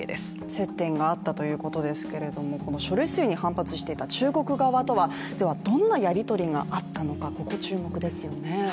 接点があったということですけれどもこの処理水に反発していた中国側とはどんなやりとりがあったのかここ注目ですよね。